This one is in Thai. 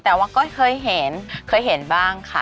แต่ก็เคยเห็นบ้างค่ะ